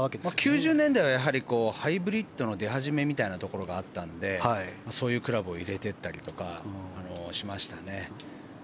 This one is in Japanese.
９０年代はやはりハイブリッドの出始めみたいなところがあったのでそういうクラブを入れていったりとかしましたね。